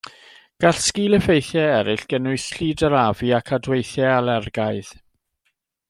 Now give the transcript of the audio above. Gall sgil-effeithiau eraill gynnwys llid yr afu ac adweithiau alergaidd.